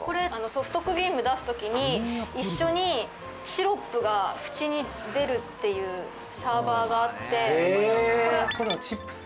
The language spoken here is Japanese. ソフトクリーム出す時に一緒にシロップが縁に出るっていうサーバーがあってこれはチップス？